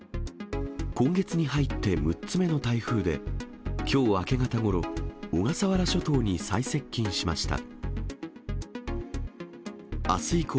今月に入って６つ目の台風で、きょう明け方ごろ、小笠原諸島に最接近しました。